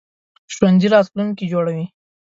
ژوندي راتلونکی جوړوي